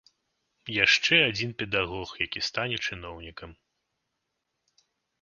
Яшчэ адзін педагог, які стане чыноўнікам.